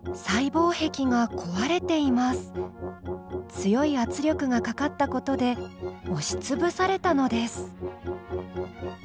強い圧力がかかったことで押しつぶされたのです。